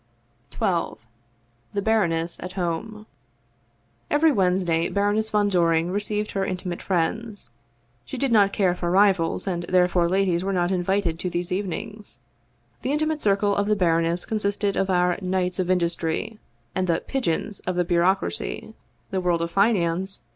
1 XII THE BARONESS AT HOME EVERY Wednesday Baroness von Doring received her in timate friends. She did not care for rivals, and therefore ladies were not invited to these evenings. The intimate circle of the baroness consisted of our Knights of Industry and the " pigeons " of the bureaucracy, the world of finance